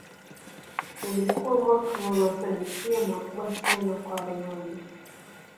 ulikuwa mwaka wa mafanikio makubwa sana kwa ronaldo